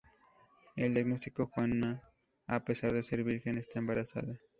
El diagnóstico: Juana, a pesar de ser virgen, está embarazada.